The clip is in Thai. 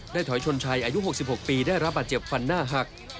ได้ถอยชนชายอายุ๖๖ปีได้รับบัตรเจ็บหน้าผาก